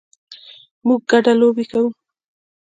موږ ګډه لوبې کوو